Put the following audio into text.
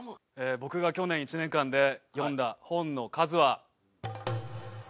僕が去年１年間で読んだ本の数は。